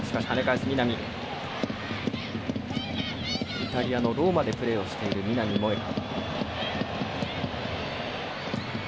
イタリアのローマでプレーをしている南萌華。